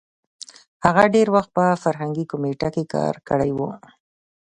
هغه ډېر وخت په فرهنګي کمېټه کې کار کړی وو.